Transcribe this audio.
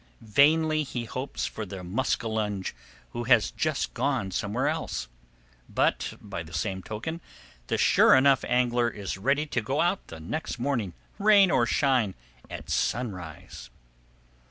Vainly he hopes for the muskellunge who has just gone somewhere else, but, by the same token, the sure enough angler is ready to go out next morning, rain or shine, at sunrise.